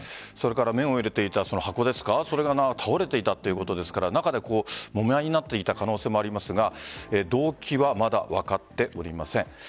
麺を入れていた箱が倒れていたということですからもみ合いになっていた可能性もありますが動機はまだ分かっておりません。